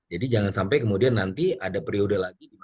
jadi jangan sampai kemudian nanti ada periode lagi